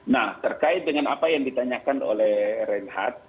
nah terkait dengan apa yang ditanyakan oleh reinhardt